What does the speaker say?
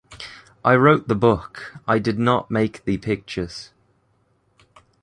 I wrote the book; I did not make the pictures.